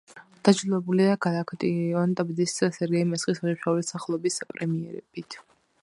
დაჯილდოებულია გალაკტიონ ტაბიძის, სერგეი მესხის, ვაჟა-ფშაველას სახელობის პრემიებით.